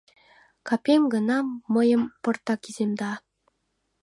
Капем гына мыйым пыртак иземда.